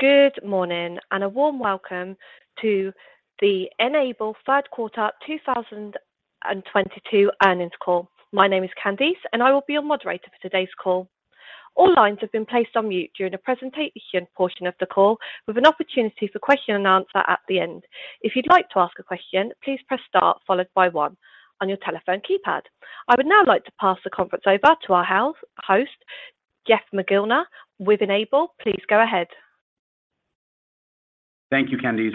Good morning and a warm welcome to the N-able third quarter 2022 earnings call. My name is Candice, and I will be your moderator for today's call. All lines have been placed on mute during the presentation portion of the call with an opportunity for question and answer at the end. If you'd like to ask a question, please press star followed by one on your telephone keypad. I would now like to pass the conference over to our host, Jeff McGillivray, with N-able. Please go ahead. Thank you, Candice,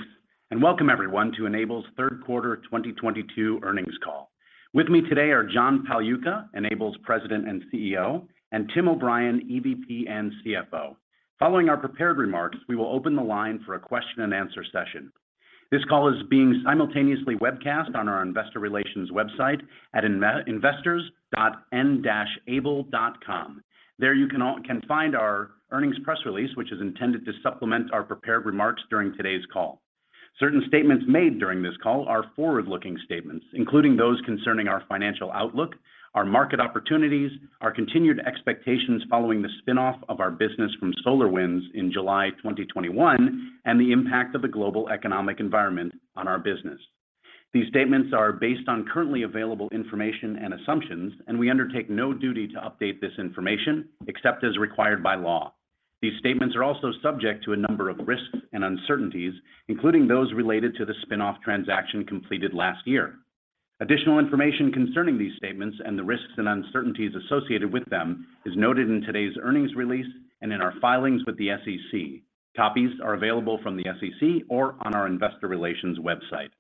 and welcome everyone to N-able's third quarter 2022 earnings call. With me today are John Pagliuca, N-able's President and CEO, and Tim O'Brien, EVP and CFO. Following our prepared remarks, we will open the line for a question and answer session. This call is being simultaneously webcast on our investor relations website at investors.n-able.com. There you can find our earnings press release, which is intended to supplement our prepared remarks during today's call. Certain statements made during this call are forward-looking statements, including those concerning our financial outlook, our market opportunities, our continued expectations following the spin-off of our business from SolarWinds in July 2021, and the impact of the global economic environment on our business. These statements are based on currently available information and assumptions, and we undertake no duty to update this information except as required by law. These statements are also subject to a number of risks and uncertainties, including those related to the spin-off transaction completed last year. Additional information concerning these statements and the risks and uncertainties associated with them is noted in today's earnings release and in our filings with the SEC. Copies are available from the SEC or on our investor relations website.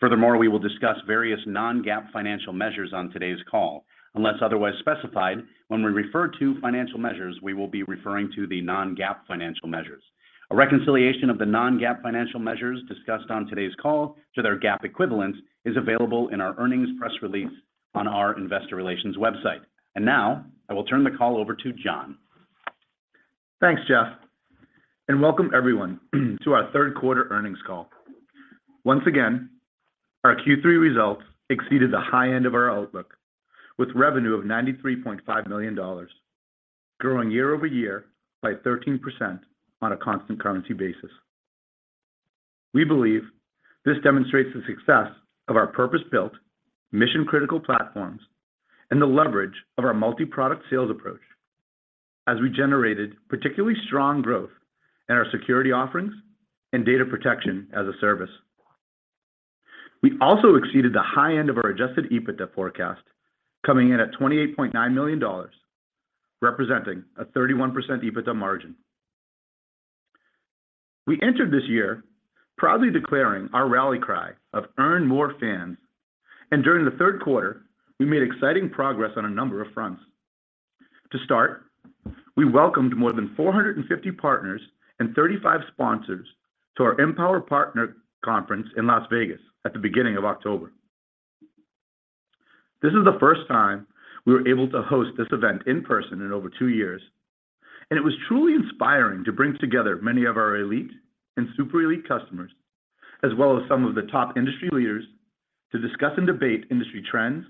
Furthermore, we will discuss various non-GAAP financial measures on today's call. Unless otherwise specified, when we refer to financial measures, we will be referring to the non-GAAP financial measures. A reconciliation of the non-GAAP financial measures discussed on today's call to their GAAP equivalents is available in our earnings press release on our investor relations website. Now I will turn the call over to John. Thanks, Jeff, and welcome everyone to our third quarter earnings call. Once again, our Q3 results exceeded the high end of our outlook with revenue of $93.5 million, growing year-over-year by 13% on a constant currency basis. We believe this demonstrates the success of our purpose-built mission critical platforms and the leverage of our multi-product sales approach as we generated particularly strong growth in our security offerings and data protection as a service. We also exceeded the high end of our adjusted EBITDA forecast, coming in at $28.9 million, representing a 31% EBITDA margin. We entered this year proudly declaring our rally cry of earn more fans, and during the third quarter, we made exciting progress on a number of fronts. To start, we welcomed more than 450 partners and 35 sponsors to our Empower Partner Conference in Las Vegas at the beginning of October. This is the first time we were able to host this event in person in over 2 years, and it was truly inspiring to bring together many of our elite and super elite customers, as well as some of the top industry leaders, to discuss and debate industry trends,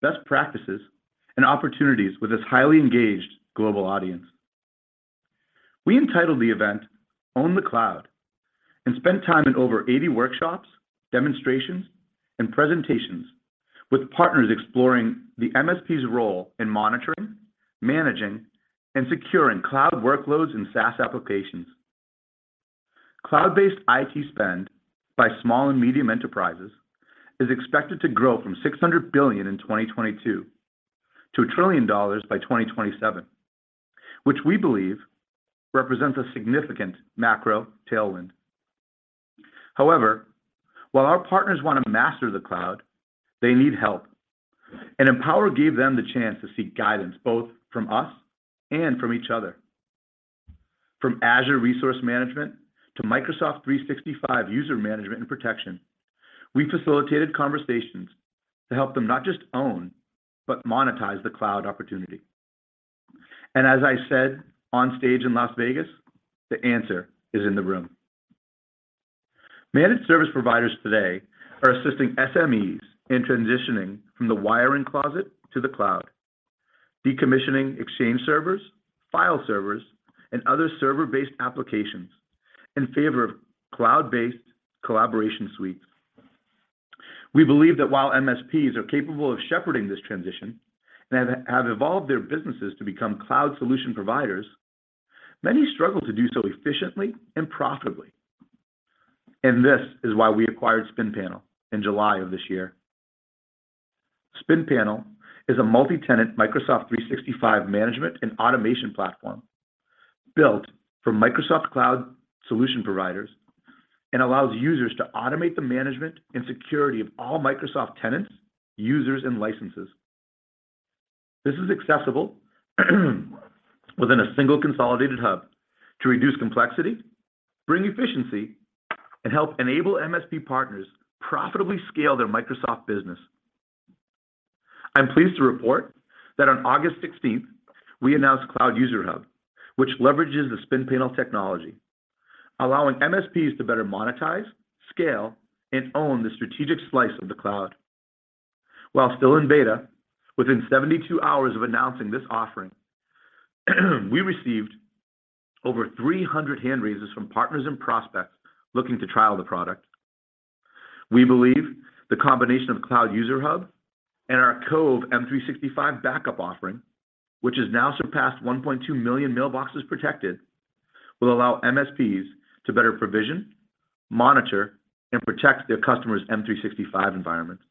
best practices, and opportunities with this highly engaged global audience. We entitled the event Own the Cloud and spent time in over 80 workshops, demonstrations, and presentations with partners exploring the MSP's role in monitoring, managing, and securing cloud workloads and SaaS applications. Cloud-based IT spend by small and medium enterprises is expected to grow from $600 billion in 2022 to $1 trillion by 2027, which we believe represents a significant macro tailwind. However, while our partners want to master the cloud, they need help, and Empower gave them the chance to seek guidance both from us and from each other. From Azure resource management to Microsoft 365 user management and protection, we facilitated conversations to help them not just own, but monetize the cloud opportunity. As I said on stage in Las Vegas, the answer is in the room. Managed service providers today are assisting SMEs in transitioning from the wiring closet to the cloud, decommissioning exchange servers, file servers, and other server-based applications in favor of cloud-based collaboration suites. We believe that while MSPs are capable of shepherding this transition and have evolved their businesses to become cloud solution providers, many struggle to do so efficiently and profitably, and this is why we acquired Spinpanel in July of this year. Spinpanel is a multi-tenant Microsoft 365 management and automation platform built for Microsoft Cloud solution providers and allows users to automate the management and security of all Microsoft tenants, users, and licenses. This is accessible within a single consolidated hub to reduce complexity, bring efficiency, and help enable MSP partners profitably scale their Microsoft business. I'm pleased to report that on August 16th, we announced Cloud User Hub, which leverages the Spinpanel technology, allowing MSPs to better monetize, scale, and own the strategic slice of the cloud. While still in beta, within 72 hours of announcing this offering, we received over 300 hand raises from partners and prospects looking to trial the product. We believe the combination of Cloud User Hub and our Cove M365 backup offering, which has now surpassed 1.2 million mailboxes protected, will allow MSPs to better provision, monitor, and protect their customers' M365 environments.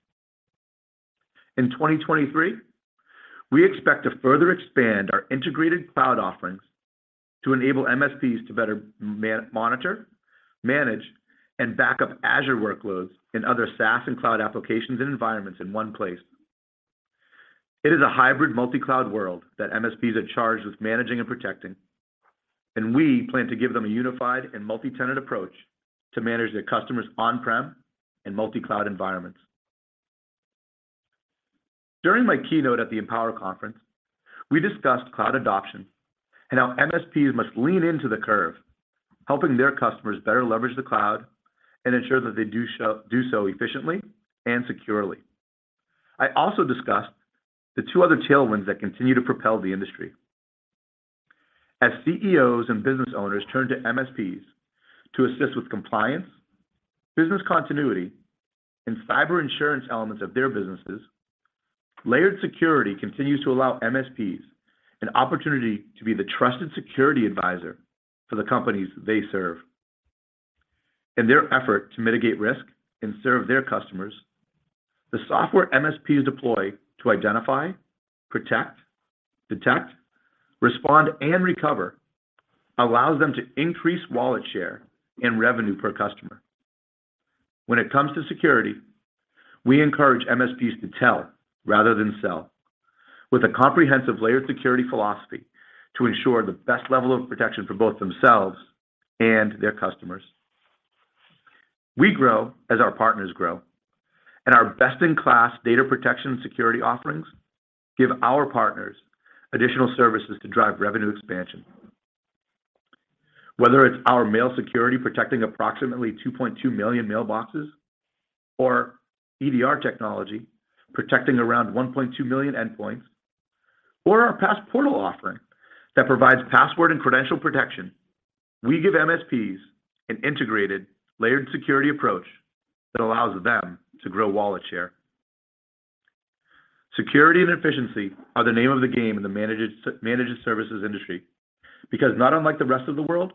In 2023, we expect to further expand our integrated cloud offerings to enable MSPs to better manage, monitor, and back up Azure workloads and other SaaS and cloud applications and environments in one place. It is a hybrid multi-cloud world that MSPs are charged with managing and protecting, and we plan to give them a unified and multi-tenant approach to manage their customers' on-prem and multi-cloud environments. During my keynote at the Empower Conference, we discussed cloud adoption and how MSPs must lean into the curve, helping their customers better leverage the cloud and ensure that they do so efficiently and securely. I also discussed the two other tailwinds that continue to propel the industry. As CEOs and business owners turn to MSPs to assist with compliance, business continuity, and cyber insurance elements of their businesses, layered security continues to allow MSPs an opportunity to be the trusted security advisor for the companies they serve. In their effort to mitigate risk and serve their customers, the software MSPs deploy to identify, protect, detect, respond, and recover allows them to increase wallet share and revenue per customer. When it comes to security, we encourage MSPs to tell rather than sell with a comprehensive layered security philosophy to ensure the best level of protection for both themselves and their customers. We grow as our partners grow, and our best-in-class data protection security offerings give our partners additional services to drive revenue expansion. Whether it's our mail security protecting approximately 2.2 million mailboxes, or EDR technology protecting around 1.2 million endpoints, or our Passportal offering that provides password and credential protection, we give MSPs an integrated, layered security approach that allows them to grow wallet share. Security and efficiency are the name of the game in the managed services industry because not unlike the rest of the world,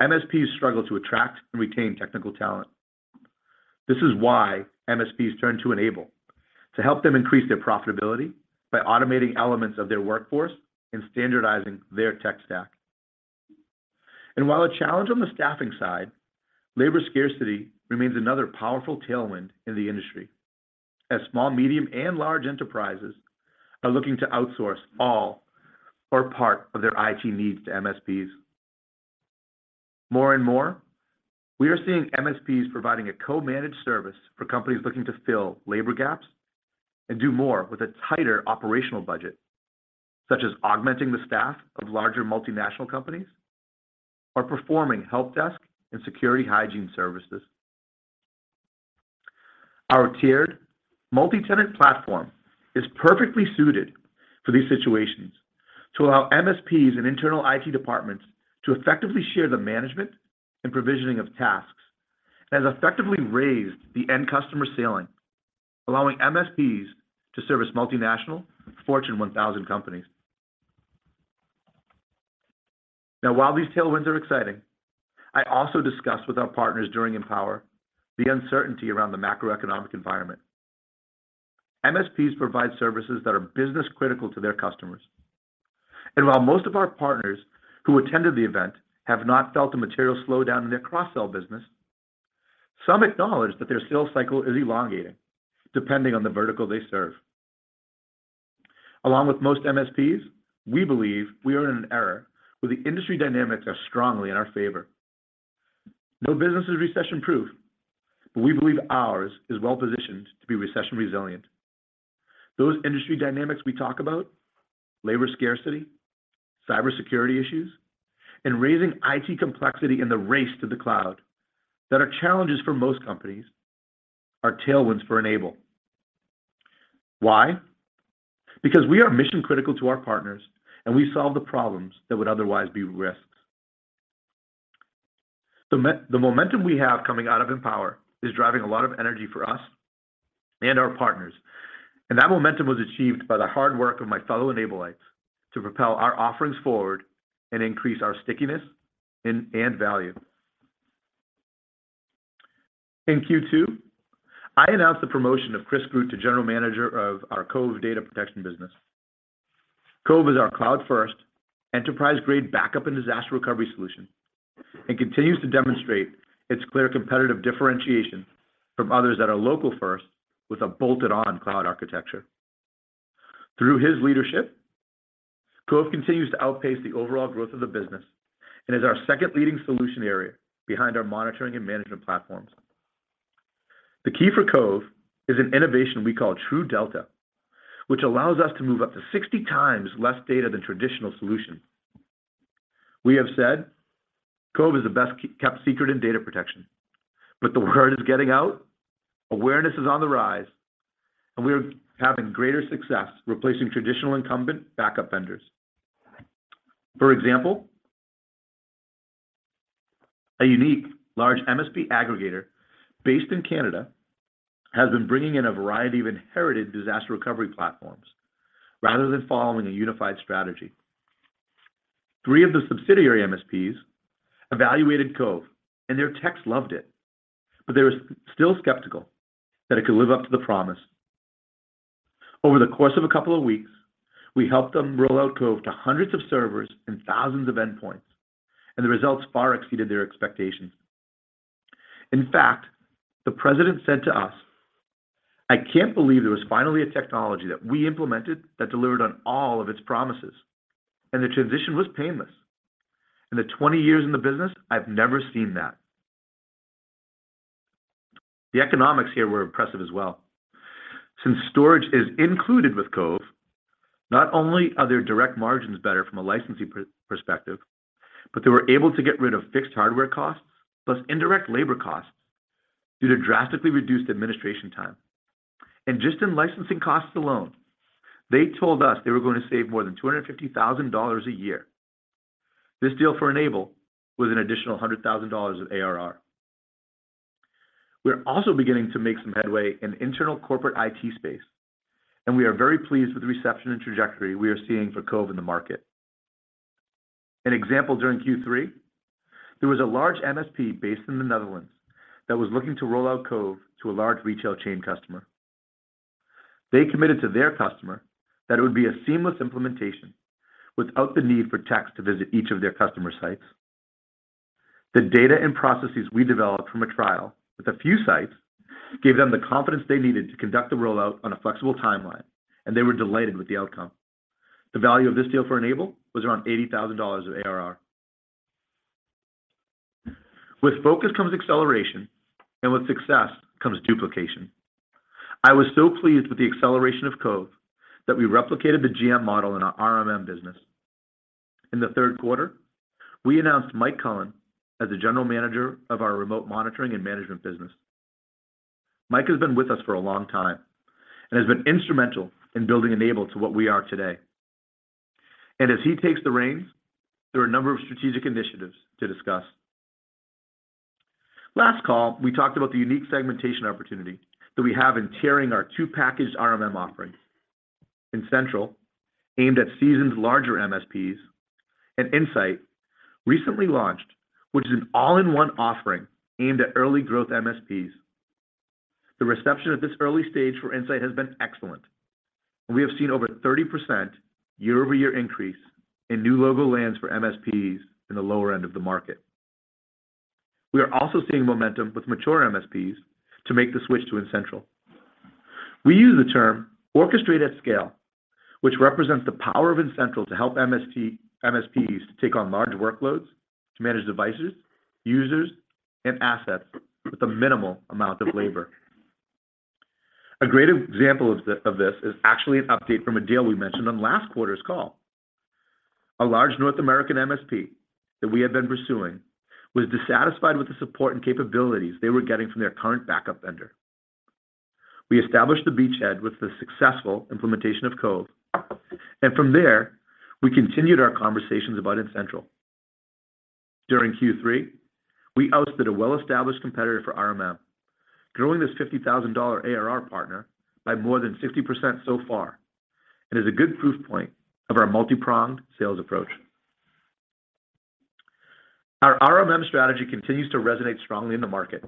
MSPs struggle to attract and retain technical talent. This is why MSPs turn to N-able to help them increase their profitability by automating elements of their workforce and standardizing their tech stack. While a challenge on the staffing side, labor scarcity remains another powerful tailwind in the industry as small, medium, and large enterprises are looking to outsource all or part of their IT needs to MSPs. More and more, we are seeing MSPs providing a co-managed service for companies looking to fill labor gaps and do more with a tighter operational budget, such as augmenting the staff of larger multinational companies or performing helpdesk and security hygiene services. Our tiered multi-tenant platform is perfectly suited for these situations to allow MSPs and internal IT departments to effectively share the management and provisioning of tasks and has effectively raised the end customer ceiling, allowing MSPs to service multinational Fortune 1000 companies. Now, while these tailwinds are exciting, I also discussed with our partners during Empower the uncertainty around the macroeconomic environment. MSPs provide services that are business-critical to their customers, and while most of our partners who attended the event have not felt a material slowdown in their cross-sell business, some acknowledge that their sales cycle is elongating depending on the vertical they serve. Along with most MSPs, we believe we are in an era where the industry dynamics are strongly in our favor. No business is recession-proof, but we believe ours is well-positioned to be recession-resilient. Those industry dynamics we talk about, labor scarcity, cybersecurity issues, and raising IT complexity in the race to the cloud that are challenges for most companies are tailwinds for N-able. Why? Because we are mission-critical to our partners, and we solve the problems that would otherwise be risks. The momentum we have coming out of Empower is driving a lot of energy for us and our partners, and that momentum was achieved by the hard work of my fellow N-ablites to propel our offerings forward and increase our stickiness and value. In Q2, I announced the promotion of Chris Groot to General Manager of our Cove Data Protection business. Cove is our cloud-first, enterprise-grade backup and disaster recovery solution and continues to demonstrate its clear competitive differentiation from others that are local-first with a bolted-on cloud architecture. Through his leadership, Cove continues to outpace the overall growth of the business and is our second leading solution area behind our monitoring and management platforms. The key for Cove is an innovation we call TrueDelta, which allows us to move up to 60 times less data than traditional solutions. We have said Cove is the best kept secret in data protection, but the word is getting out. Awareness is on the rise, and we are having greater success replacing traditional incumbent backup vendors. For example, a unique large MSP aggregator based in Canada has been bringing in a variety of inherited disaster recovery platforms rather than following a unified strategy. Three of the subsidiary MSPs evaluated Cove, and their techs loved it, but they were still skeptical that it could live up to the promise. Over the course of a couple of weeks, we helped them roll out Cove to hundreds of servers and thousands of endpoints, and the results far exceeded their expectations. In fact, the president said to us, "I can't believe there was finally a technology that we implemented that delivered on all of its promises, and the transition was painless." In the 20 years in the business, I've never seen that. The economics here were impressive as well. Since storage is included with Cove, not only are their direct margins better from a licensing perspective, but they were able to get rid of fixed hardware costs plus indirect labor costs due to drastically reduced administration time. Just in licensing costs alone, they told us they were going to save more than $250,000 a year. This deal for N-able was an additional $100,000 of ARR. We're also beginning to make some headway in internal corporate IT space, and we are very pleased with the reception and trajectory we are seeing for Cove in the market. An example during Q3, there was a large MSP based in the Netherlands that was looking to roll out Cove to a large retail chain customer. They committed to their customer that it would be a seamless implementation without the need for techs to visit each of their customer sites. The data and processes we developed from a trial with a few sites gave them the confidence they needed to conduct the rollout on a flexible timeline, and they were delighted with the outcome. The value of this deal for N-able was around $80,000 of ARR. With focus comes acceleration, and with success comes duplication. I was so pleased with the acceleration of Cove that we replicated the GM model in our RMM business. In the third quarter, we announced Mike Cullen as the general manager of our remote monitoring and management business. Mike has been with us for a long time and has been instrumental in building N-able to what we are today. As he takes the reins, there are a number of strategic initiatives to discuss. Last call, we talked about the unique segmentation opportunity that we have in tiering our two packaged RMM offerings. In N-central, aimed at seasoned larger MSPs, and N-sight, recently launched, which is an all-in-one offering aimed at early growth MSPs. The reception at this early stage for N-sight has been excellent, and we have seen over 30% year-over-year increase in new logo lands for MSPs in the lower end of the market. We are also seeing momentum with mature MSPs to make the switch to N-central. We use the term orchestrate at scale, which represents the power of N-central to help MSPs to take on large workloads, to manage devices, users, and assets with a minimal amount of labor. A great example of this is actually an update from a deal we mentioned on last quarter's call. A large North American MSP that we have been pursuing was dissatisfied with the support and capabilities they were getting from their current backup vendor. We established a beachhead with the successful implementation of Cove, and from there, we continued our conversations about N-central. During Q3, we ousted a well-established competitor for RMM, growing this $50,000 ARR partner by more than 60% so far, and is a good proof point of our multi-pronged sales approach. Our RMM strategy continues to resonate strongly in the market,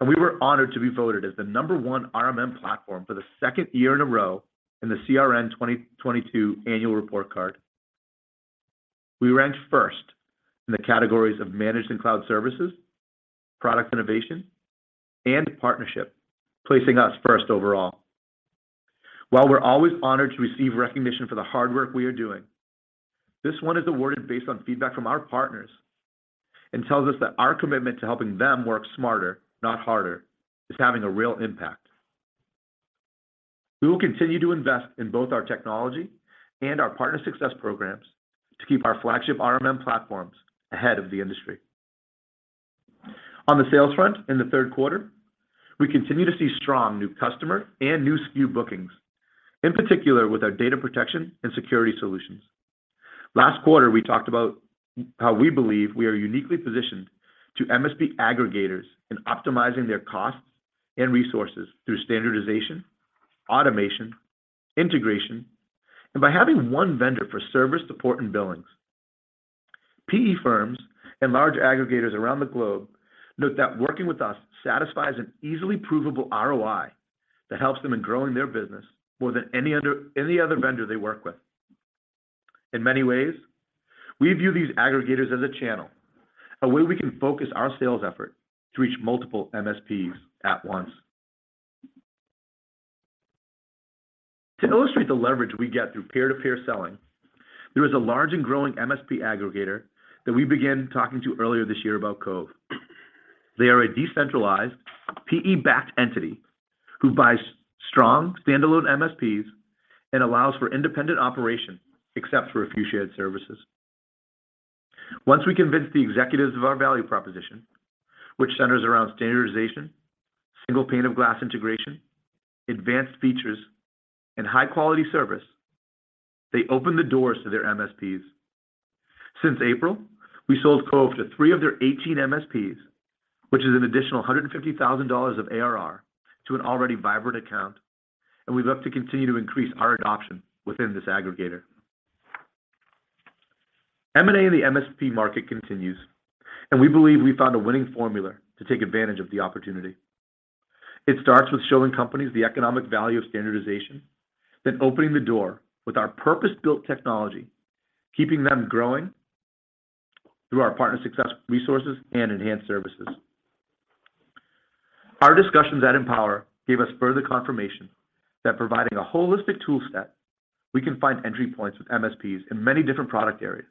and we were honored to be voted as the No. 1 RMM platform for the second year in a row in the CRN 2022 Annual Report Card. We ranked first in the categories of Managed and Cloud Services, Product Innovation, and Partnership, placing us first overall. While we're always honored to receive recognition for the hard work we are doing, this one is awarded based on feedback from our partners and tells us that our commitment to helping them work smarter, not harder, is having a real impact. We will continue to invest in both our technology and our partner success programs to keep our flagship RMM platforms ahead of the industry. On the sales front in the third quarter, we continue to see strong new customer and new SKU bookings, in particular with our data protection and security solutions. Last quarter, we talked about how we believe we are uniquely positioned to MSP aggregators in optimizing their costs and resources through standardization, automation, integration, and by having one vendor for service, support, and billings. PE firms and large aggregators around the globe note that working with us satisfies an easily provable ROI that helps them in growing their business more than any other vendor they work with. In many ways, we view these aggregators as a channel, a way we can focus our sales effort to reach multiple MSPs at once. To illustrate the leverage we get through peer-to-peer selling, there is a large and growing MSP aggregator that we began talking to earlier this year about Cove. They are a decentralized PE-backed entity who buys strong standalone MSPs and allows for independent operation except for a few shared services. Once we convince the executives of our value proposition, which centers around standardization, single pane of glass integration, advanced features, and high-quality service, they open the doors to their MSPs. Since April, we sold Cove to 3 of their 18 MSPs, which is an additional $150,000 of ARR to an already vibrant account, and we'd love to continue to increase our adoption within this aggregator. M&A in the MSP market continues, and we believe we found a winning formula to take advantage of the opportunity. It starts with showing companies the economic value of standardization, then opening the door with our purpose-built technology, keeping them growing through our partner success resources and enhanced services. Our discussions at Empower gave us further confirmation that providing a holistic tool set, we can find entry points with MSPs in many different product areas.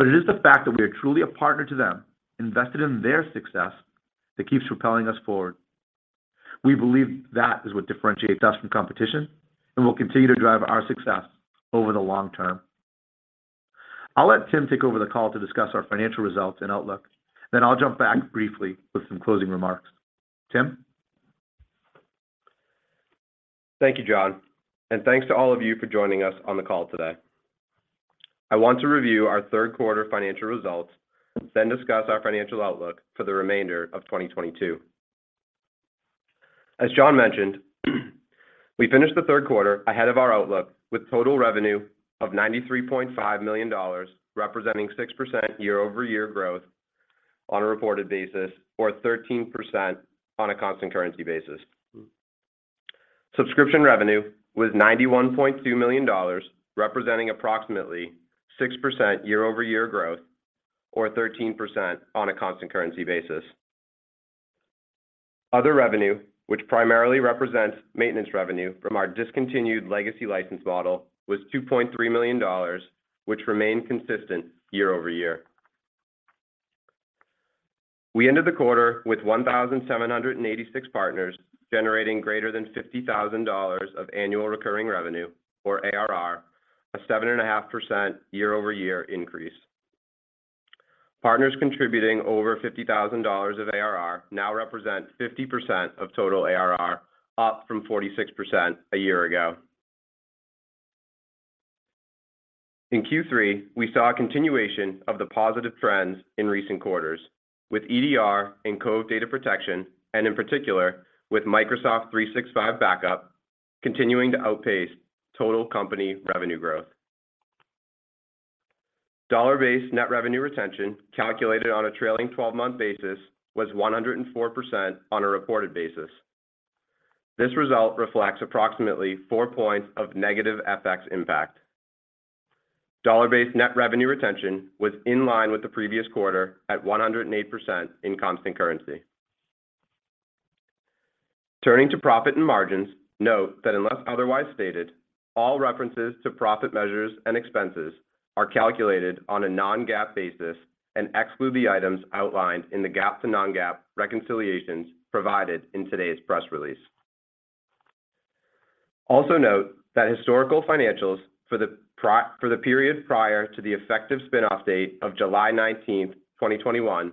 It is the fact that we are truly a partner to them, invested in their success, that keeps propelling us forward. We believe that is what differentiates us from competition and will continue to drive our success over the long term. I'll let Tim take over the call to discuss our financial results and outlook. Then I'll jump back briefly with some closing remarks. Tim? Thank you, John, and thanks to all of you for joining us on the call today. I want to review our third quarter financial results, then discuss our financial outlook for the remainder of 2022. As John mentioned, we finished the third quarter ahead of our outlook with total revenue of $93.5 million, representing 6% year-over-year growth on a reported basis, or 13% on a constant currency basis. Subscription revenue was $91.2 million, representing approximately 6% year-over-year growth, or 13% on a constant currency basis. Other revenue, which primarily represents maintenance revenue from our discontinued legacy license model, was $2.3 million, which remained consistent year over year. We ended the quarter with 1,786 partners generating greater than $50,000 of annual recurring revenue or ARR, a 7.5% year-over-year increase. Partners contributing over $50,000 of ARR now represent 50% of total ARR, up from 46% a year ago. In Q3, we saw a continuation of the positive trends in recent quarters with EDR and Cove Data Protection, and in particular with Microsoft 365 backup continuing to outpace total company revenue growth. Dollar-based net revenue retention, calculated on a trailing-twelve-month basis, was 104% on a reported basis. This result reflects approximately four points of negative FX impact. Dollar-based net revenue retention was in line with the previous quarter at 108% in constant currency. Turning to profit and margins, note that unless otherwise stated, all references to profit measures and expenses are calculated on a non-GAAP basis and exclude the items outlined in the GAAP to non-GAAP reconciliations provided in today's press release. Also note that historical financials for the period prior to the effective spin-off date of July 19, 2021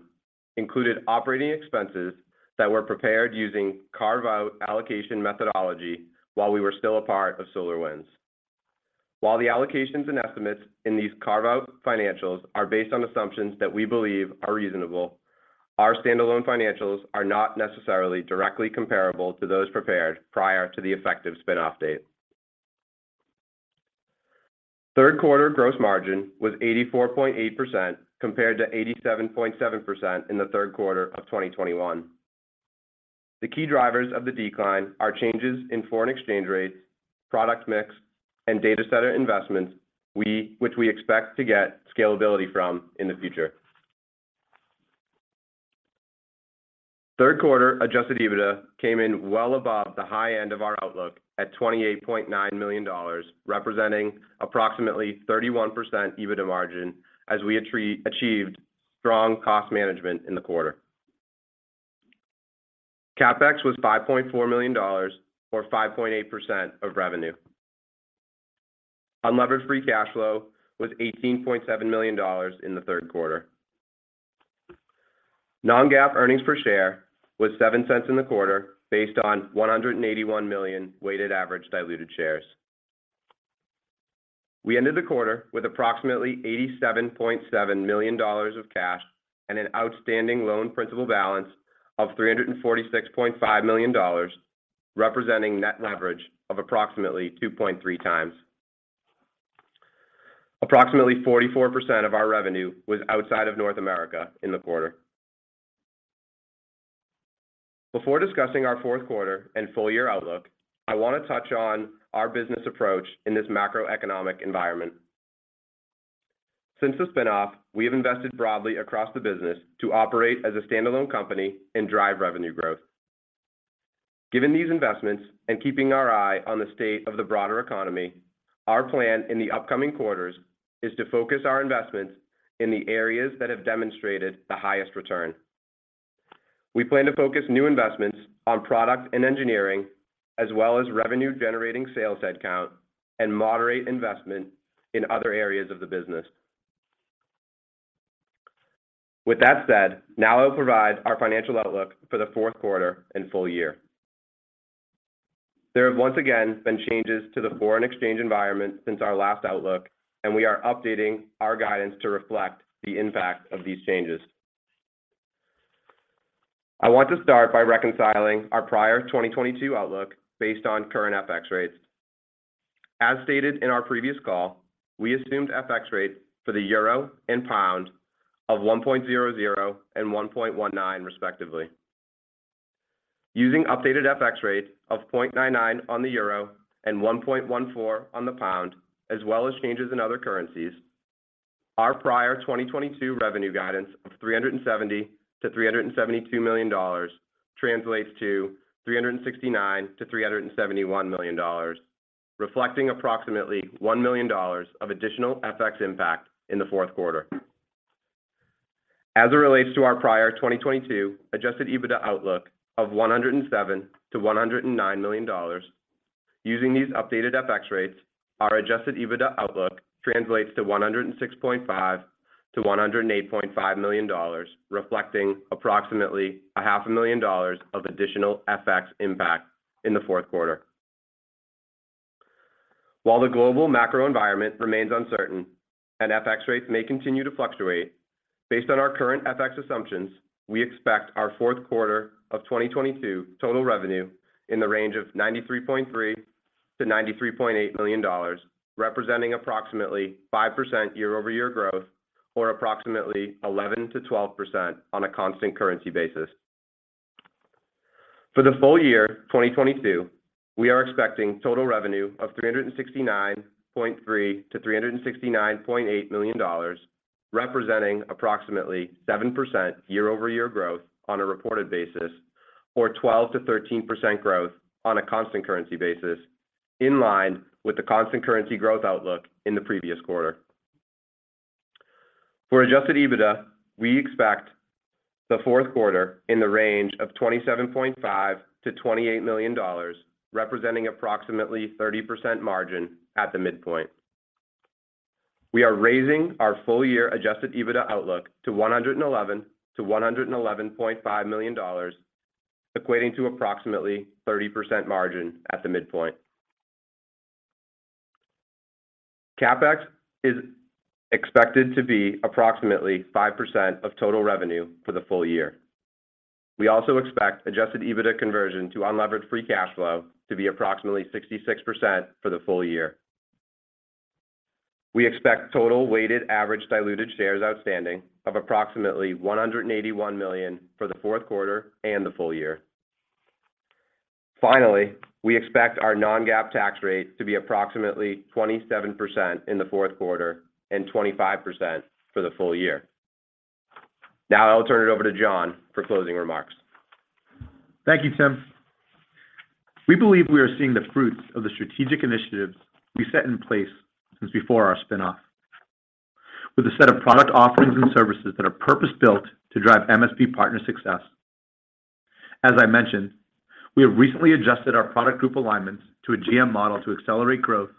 included operating expenses that were prepared using carve-out allocation methodology while we were still a part of SolarWinds. While the allocations and estimates in these carve-out financials are based on assumptions that we believe are reasonable, our standalone financials are not necessarily directly comparable to those prepared prior to the effective spin-off date. Third quarter gross margin was 84.8% compared to 87.7% in the third quarter of 2021. The key drivers of the decline are changes in foreign exchange rates, product mix, and data center investments which we expect to get scalability from in the future. Third quarter adjusted EBITDA came in well above the high end of our outlook at $28.9 million, representing approximately 31% EBITDA margin as we achieved strong cost management in the quarter. CapEx was $5.4 million or 5.8% of revenue. Unlevered free cash flow was $18.7 million in the third quarter. Non-GAAP earnings per share was $0.07 in the quarter based on 181 million weighted average diluted shares. We ended the quarter with approximately $87.7 million of cash and an outstanding loan principal balance of $346.5 million, representing net leverage of approximately 2.3 times. Approximately 44% of our revenue was outside of North America in the quarter. Before discussing our fourth quarter and full year outlook, I want to touch on our business approach in this macroeconomic environment. Since the spin-off, we have invested broadly across the business to operate as a standalone company and drive revenue growth. Given these investments and keeping our eye on the state of the broader economy, our plan in the upcoming quarters is to focus our investments in the areas that have demonstrated the highest return. We plan to focus new investments on product and engineering, as well as revenue-generating sales headcount and moderate investment in other areas of the business. With that said, now I'll provide our financial outlook for the fourth quarter and full year. There have once again been changes to the foreign exchange environment since our last outlook, and we are updating our guidance to reflect the impact of these changes. I want to start by reconciling our prior 2022 outlook based on current FX rates. As stated in our previous call, we assumed FX rates for the euro and pound of 1.00 and 1.19 respectively. Using updated FX rates of 0.99 on the euro and 1.14 on the pound, as well as changes in other currencies, our prior 2022 revenue guidance of $370 million-$372 million translates to $369 million-$371 million, reflecting approximately $1 million of additional FX impact in the fourth quarter. As it relates to our prior 2022 adjusted EBITDA outlook of $107 million-$109 million, using these updated FX rates, our adjusted EBITDA outlook translates to $106.5 million-$108.5 million, reflecting approximately a half a million dollars of additional FX impact in the fourth quarter. While the global macro environment remains uncertain and FX rates may continue to fluctuate, based on our current FX assumptions, we expect our fourth quarter of 2022 total revenue in the range of $93.3 million-$93.8 million, representing approximately 5% year-over-year growth or approximately 11%-12% on a constant currency basis. For the full year 2022, we are expecting total revenue of $369.3 million-$369.8 million, representing approximately 7% year-over-year growth on a reported basis, or 12%-13% growth on a constant currency basis, in line with the constant currency growth outlook in the previous quarter. For adjusted EBITDA, we expect the fourth quarter in the range of $27.5 million-$28 million, representing approximately 30% margin at the midpoint. We are raising our full year adjusted EBITDA outlook to $111 million-$111.5 million, equating to approximately 30% margin at the midpoint. CapEx is expected to be approximately 5% of total revenue for the full year. We also expect adjusted EBITDA conversion to unlevered free cash flow to be approximately 66% for the full year. We expect total weighted average diluted shares outstanding of approximately 181 million for the fourth quarter and the full year. Finally, we expect our non-GAAP tax rate to be approximately 27% in the fourth quarter and 25% for the full year. Now I'll turn it over to John for closing remarks. Thank you, Tim. We believe we are seeing the fruits of the strategic initiatives we set in place since before our spin-off, with a set of product offerings and services that are purpose-built to drive MSP partner success. As I mentioned, we have recently adjusted our product group alignments to a GM model to accelerate growth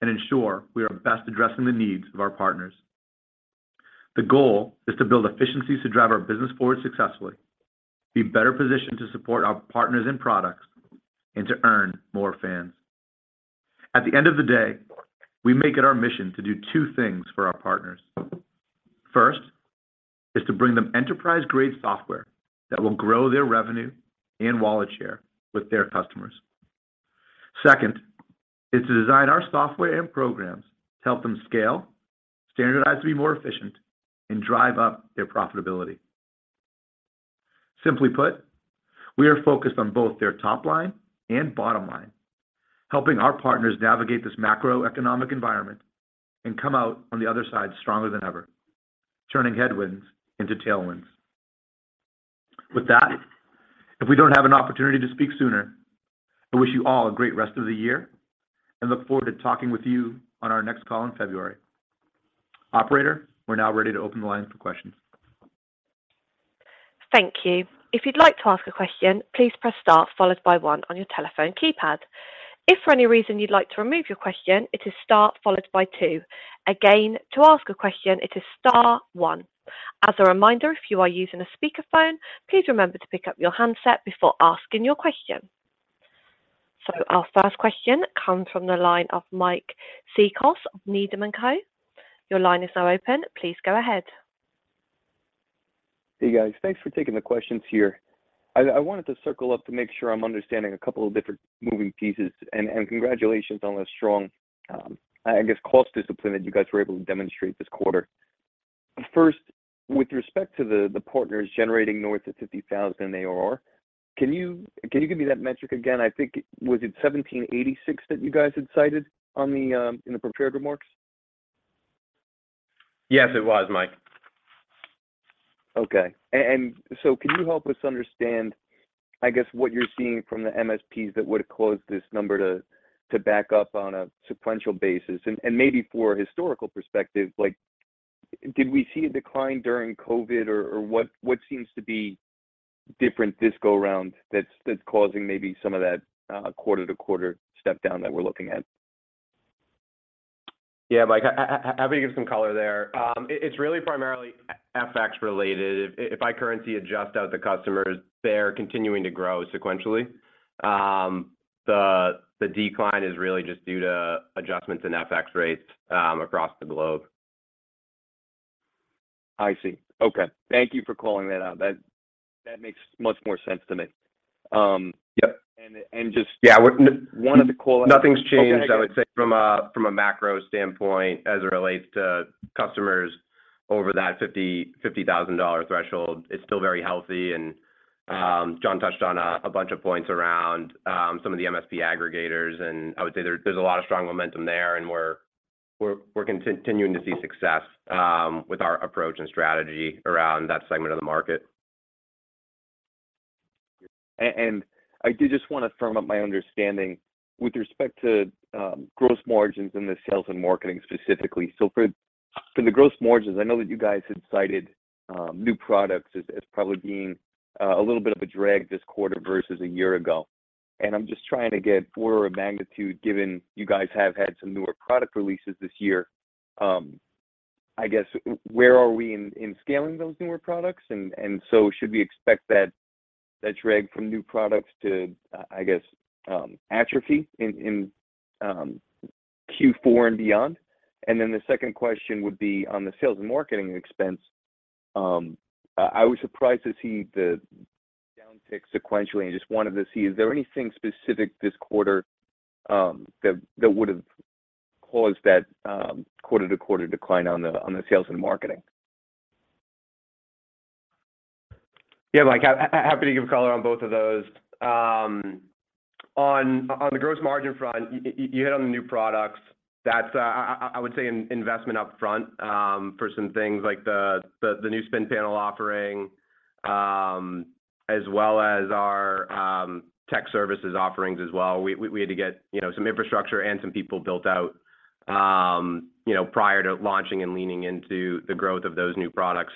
and ensure we are best addressing the needs of our partners. The goal is to build efficiencies to drive our business forward successfully, be better positioned to support our partners and products, and to earn more fans. At the end of the day, we make it our mission to do two things for our partners. First is to bring them enterprise-grade software that will grow their revenue and wallet share with their customers. Second is to design our software and programs to help them scale, standardize to be more efficient, and drive up their profitability. Simply put, we are focused on both their top line and bottom line, helping our partners navigate this macroeconomic environment and come out on the other side stronger than ever, turning headwinds into tailwinds. With that, if we don't have an opportunity to speak sooner, I wish you all a great rest of the year and look forward to talking with you on our next call in February. Operator, we're now ready to open the line for questions. Thank you. If you'd like to ask a question, please press star followed by one on your telephone keypad. If for any reason you'd like to remove your question, it is star followed by two. Again, to ask a question, it is star one. As a reminder, if you are using a speakerphone, please remember to pick up your handset before asking your question. Our first question comes from the line of Mike Cikos of Needham & Company. Your line is now open. Please go ahead. Hey, guys. Thanks for taking the questions here. I wanted to circle up to make sure I'm understanding a couple of different moving pieces, and congratulations on the strong, I guess cost discipline that you guys were able to demonstrate this quarter. First, with respect to the partners generating north of 50,000 ARR, can you give me that metric again? I think, was it 1,786 that you guys had cited on the, in the prepared remarks? Yes, it was, Mike. Okay. Can you help us understand, I guess, what you're seeing from the MSPs that would have caused this number to back up on a sequential basis? Maybe for historical perspective, like, did we see a decline during COVID or what seems to be different this go around that's causing maybe some of that quarter-to-quarter step down that we're looking at? Yeah, Mike, happy to give some color there. It's really primarily FX related. If I currency adjust out the FX, the customers are continuing to grow sequentially. The decline is really just due to adjustments in FX rates across the globe. I see. Okay. Thank you for calling that out. That makes much more sense to me. Yep. And, and just- Yeah. One of the call out- Nothing's changed. Okay, got it. I would say from a macro standpoint as it relates to customers over that $50,000 threshold. It's still very healthy. John touched on a bunch of points around some of the MSP aggregators, and I would say there's a lot of strong momentum there and we're continuing to see success with our approach and strategy around that segment of the market. I did just wanna firm up my understanding with respect to gross margins in the sales and marketing specifically. For the gross margins, I know that you guys had cited new products as probably being a little bit of a drag this quarter versus a year ago. I'm just trying to get order of magnitude, given you guys have had some newer product releases this year, I guess where are we in scaling those newer products? Should we expect that drag from new products to, I guess, atrophy in Q4 and beyond? The second question would be on the sales and marketing expense. I was surprised to see the downtick sequentially and just wanted to see, is there anything specific this quarter that would have caused that quarter-to-quarter decline on the sales and marketing? Yeah, Mike, happy to give color on both of those. On the gross margin front, you hit on the new products. That's, I would say investment up front for some things like the new Spinpanel offering, as well as our tech services offerings as well. We had to get, you know, some infrastructure and some people built out, you know, prior to launching and leaning into the growth of those new products.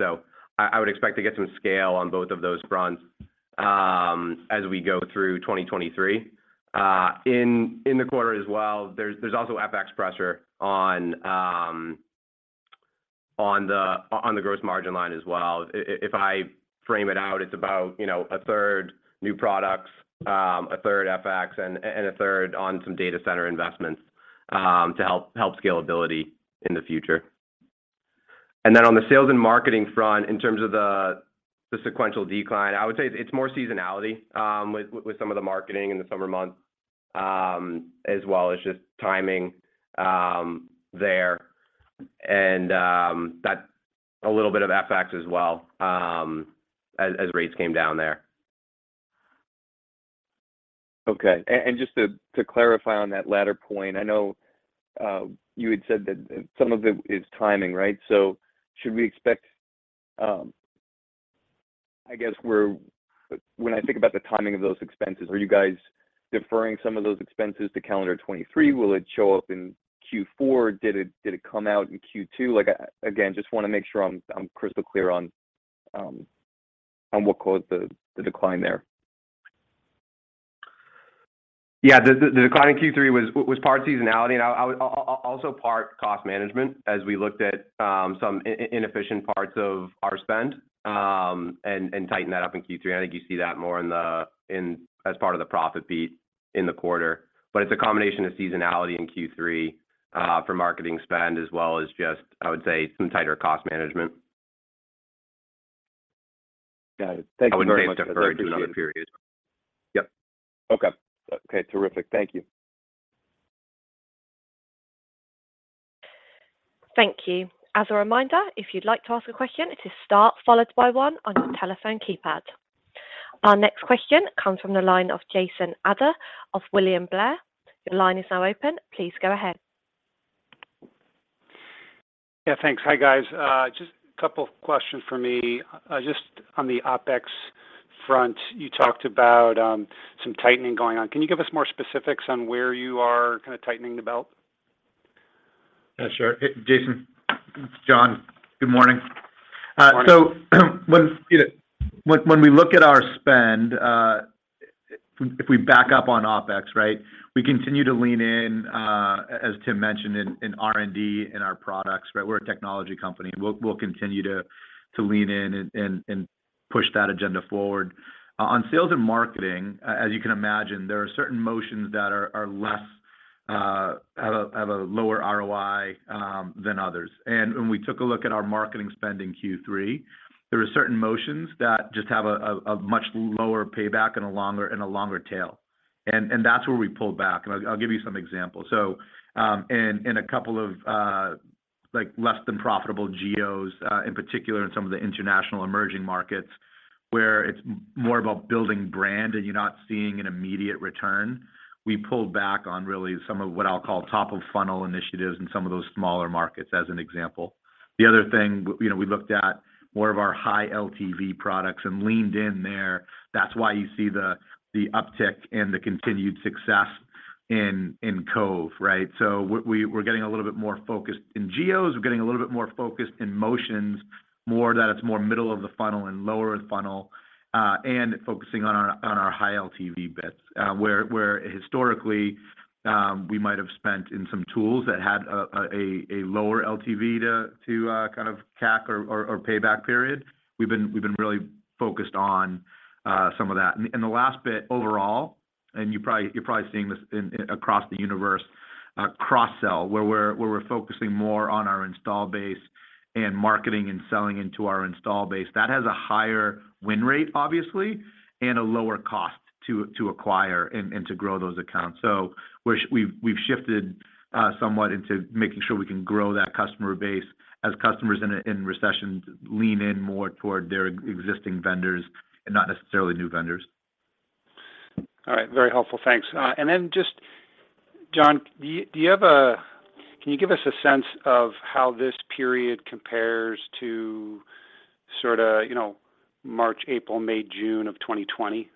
I would expect to get some scale on both of those fronts, as we go through 2023. In the quarter as well, there's also FX pressure on the gross margin line as well. If I frame it out, it's about, you know, a third new products, a third FX and a third on some data center investments, to help scalability in the future. Then on the sales and marketing front, in terms of the sequential decline, I would say it's more seasonality, with some of the marketing in the summer months, as well as just timing there. That's a little bit of FX as well, as rates came down there. Okay. Just to clarify on that latter point, I know you had said that some of it is timing, right? So should we expect, When I think about the timing of those expenses, are you guys deferring some of those expenses to calendar 2023? Will it show up in Q4? Did it come out in Q2? Like, again, just wanna make sure I'm crystal clear on what caused the decline there. Yeah. The decline in Q3 was part seasonality and also part cost management as we looked at some inefficient parts of our spend and tightened that up in Q3. I think you see that more as part of the profit beat in the quarter. It's a combination of seasonality in Q3 for marketing spend as well as just, I would say, some tighter cost management. Got it. Thank you very much for that. I wouldn't say it's deferred to another period. I appreciate it. Yep. Okay. Okay, terrific. Thank you. Thank you. As a reminder, if you'd like to ask a question, it is star followed by one on your telephone keypad. Our next question comes from the line of Jason Ader of William Blair. Your line is now open. Please go ahead. Yeah, thanks. Hi, guys. Just a couple of questions for me. Just on the OpEx front, you talked about some tightening going on. Can you give us more specifics on where you are kinda tightening the belt? Yeah, sure. Jason, it's John. Good morning. Morning. When you know, we look at our spend, if we back up on OpEx, right? We continue to lean in, as Tim mentioned, in R&D in our products, right? We're a technology company, and we'll continue to lean in and push that agenda forward. On sales and marketing, as you can imagine, there are certain motions that have a lower ROI than others. When we took a look at our marketing spend in Q3, there were certain motions that just have a much lower payback and a longer tail. That's where we pulled back. I'll give you some examples. In a couple of, like, less than profitable geos, in particular in some of the international emerging markets, where it's more about building brand and you're not seeing an immediate return, we pulled back on really some of what I'll call top of funnel initiatives in some of those smaller markets, as an example. The other thing, you know, we looked at more of our high LTV products and leaned in there. That's why you see the uptick and the continued success in Cove, right? We're getting a little bit more focused in geos. We're getting a little bit more focused in motions, more that it's more middle of the funnel and lower in the funnel, and focusing on our high LTV bits, where historically we might have spent in some tools that had a lower LTV to kind of CAC or payback period. We've been really focused on some of that. The last bit overall, you probably are probably seeing this across the universe, cross-sell, where we're focusing more on our installed base and marketing and selling into our installed base. That has a higher win rate, obviously, and a lower cost to acquire and to grow those accounts. We've shifted somewhat into making sure we can grow that customer base as customers in a recession lean in more toward their existing vendors and not necessarily new vendors. All right. Very helpful. Thanks. Yeah. Just, John, can you give us a sense of how this period compares to sorta, you know, March, April, May, June of 2020?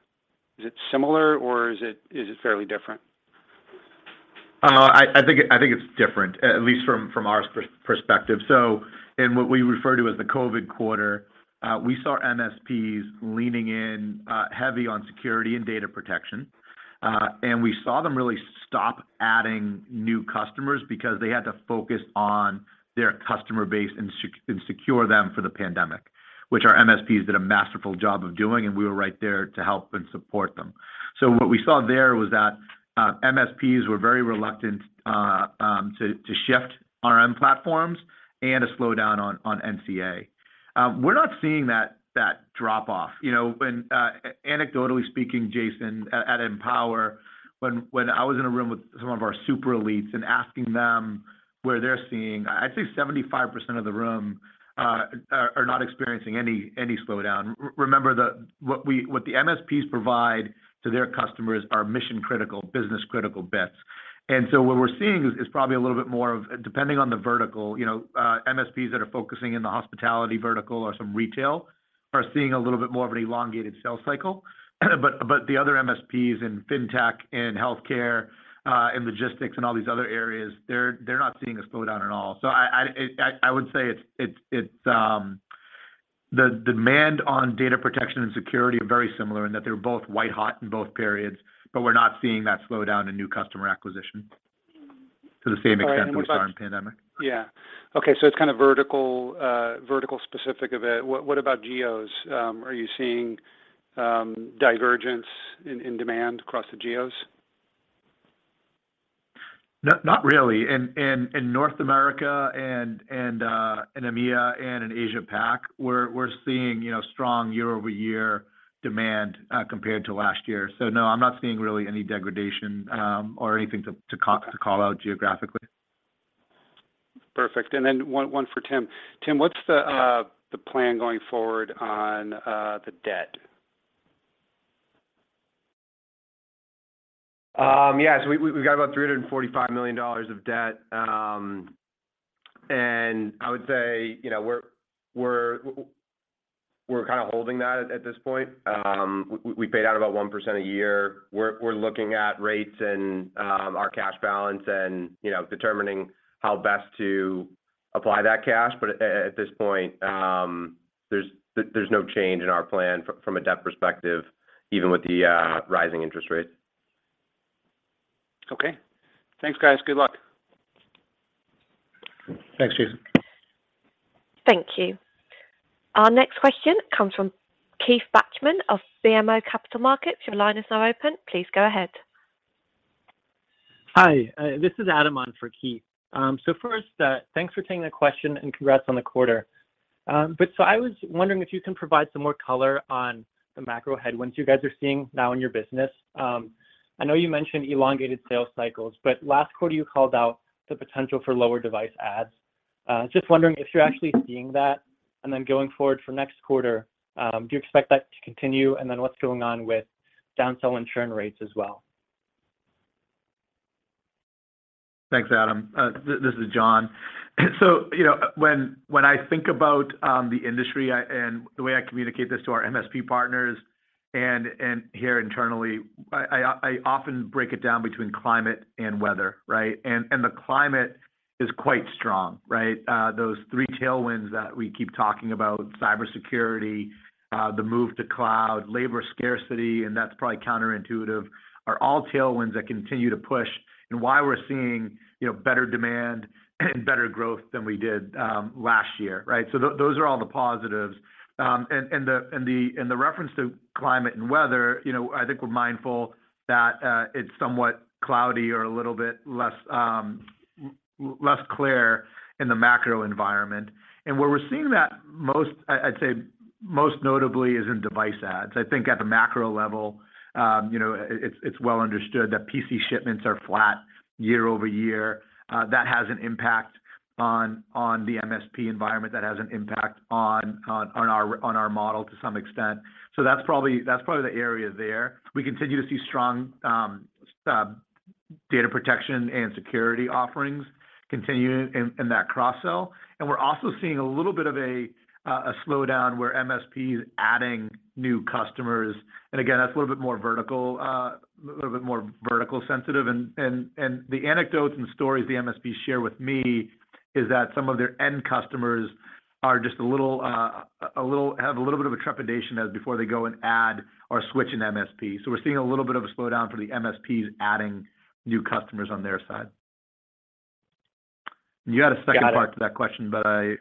Is it similar, or is it fairly different? I think it's different, at least from our perspective. In what we refer to as the COVID quarter, we saw MSPs leaning in heavy on security and data protection, and we saw them really stop adding new customers because they had to focus on their customer base and secure them for the pandemic, which our MSPs did a masterful job of doing, and we were right there to help and support them. What we saw there was that MSPs were very reluctant to shift RMM platforms and to slow down on NCA. We're not seeing that drop-off. You know, anecdotally speaking, Jason, at Empower, when I was in a room with some of our super elites and asking them where they're seeing... I'd say 75% of the room are not experiencing any slowdown. Remember what the MSPs provide to their customers are mission-critical, business-critical bits. What we're seeing is probably a little bit more depending on the vertical. You know, MSPs that are focusing in the hospitality vertical or some retail are seeing a little bit more of an elongated sales cycle. The other MSPs in fintech and healthcare and logistics and all these other areas, they're not seeing a slowdown at all. I would say it's the demand on data protection and security are very similar in that they're both white-hot in both periods, but we're not seeing that slowdown in new customer acquisition to the same extent we saw in pandemic. Yeah. Okay. It's kind of vertical specific a bit. What about geos? Are you seeing divergence in demand across the geos? Not really. In North America and in EMEA and in Asia Pac, we're seeing, you know, strong year-over-year demand compared to last year. No, I'm not seeing really any degradation or anything to call out geographically. Perfect. One for Tim. Tim, what's the plan going forward on the debt? Yeah. We've got about $345 million of debt. I would say, you know, we're kind of holding that at this point. We paid out about 1% a year. We're looking at rates and our cash balance and, you know, determining how best to apply that cash. At this point, there's no change in our plan from a debt perspective, even with the rising interest rate. Okay. Thanks, guys. Good luck. Thanks, Jason. Thank you. Our next question comes from Keith Bachman of BMO Capital Markets. Your line is now open. Please go ahead. Hi. This is Adam on for Keith. First, thanks for taking the question, and congrats on the quarter. I was wondering if you can provide some more color on the macro headwinds you guys are seeing now in your business. I know you mentioned elongated sales cycles, but last quarter you called out the potential for lower device adds. Just wondering if you're actually seeing that. Going forward for next quarter, do you expect that to continue? What's going on with downsell and churn rates as well? Thanks, Adam. This is John. You know, when I think about the industry and the way I communicate this to our MSP partners and here internally, I often break it down between climate and weather, right? The climate is quite strong, right? Those three tailwinds that we keep talking about, cybersecurity, the move to cloud, labor scarcity, and that's probably counterintuitive, are all tailwinds that continue to push and why we're seeing, you know, better demand and better growth than we did last year, right? Those are all the positives. The reference to climate and weather, you know, I think we're mindful that it's somewhat cloudy or a little bit less clear in the macro environment. Where we're seeing that most, I'd say most notably is in device adds. I think at the macro level, it's well understood that PC shipments are flat year over year. That has an impact on the MSP environment. That has an impact on our model to some extent. That's probably the area there. We continue to see strong Cove Data protection and security offerings continue in that cross-sell. We're also seeing a little bit of a slowdown where MSP is adding new customers. Again, that's a little bit more vertical, a little bit more vertical sensitive. The anecdotes and stories the MSPs share with me is that some of their end customers are just a little. Have a little bit of a trepidation as before they go and add or switch an MSP. We're seeing a little bit of a slowdown for the MSPs adding new customers on their side. You had a second part to that question, but I.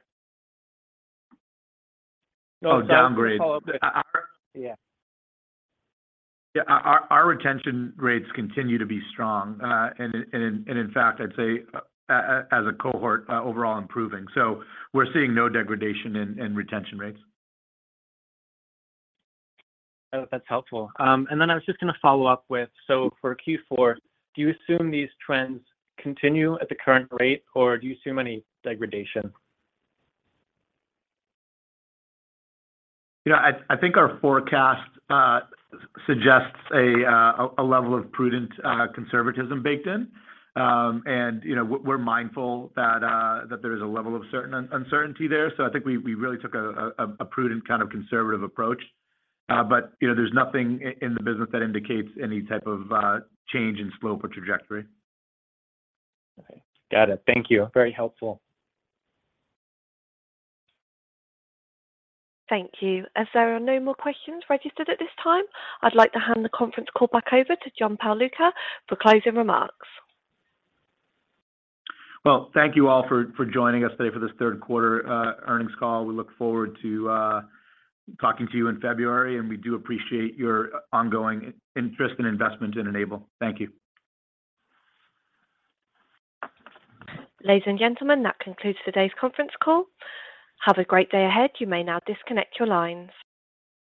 No. Oh, downgrade. Follow up. Yeah. Yeah. Our retention rates continue to be strong. In fact, I'd say as a cohort overall improving. We're seeing no degradation in retention rates. That's helpful. I was just gonna follow up with, so for Q4, do you assume these trends continue at the current rate, or do you assume any degradation? You know, I think our forecast suggests a level of prudent conservatism baked in. You know, we're mindful that there is a level of uncertainty there. I think we really took a prudent kind of conservative approach. You know, there's nothing in the business that indicates any type of change in slope or trajectory. Okay. Got it. Thank you. Very helpful. Thank you. As there are no more questions registered at this time, I'd like to hand the conference call back over to John Pagliuca for closing remarks. Well, thank you all for joining us today for this third quarter earnings call. We look forward to talking to you in February, and we do appreciate your ongoing interest and investment in N-able. Thank you. Ladies and gentlemen, that concludes today's conference call. Have a great day ahead. You may now disconnect your lines.